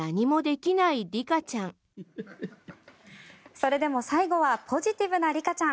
それでも最後はポジティブなリカちゃん。